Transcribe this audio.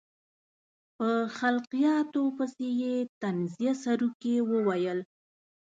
په خلقیاتو پسې یې طنزیه سروکي وویل.